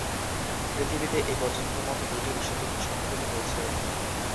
পৃথিবীতে এ পর্যন্ত মোট দুইটি বিশ্বযুদ্ধ সংঘটিত হয়েছে।